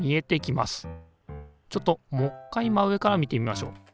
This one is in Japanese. ちょっともっかい真上から見てみましょう。